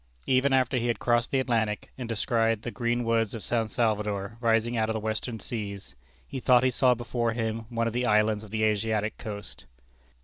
Even after he had crossed the Atlantic, and descried the green woods of San Salvador rising out of the western seas, he thought he saw before him one of the islands of the Asiatic coast.